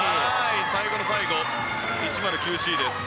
最後の最後、１０９Ｃです。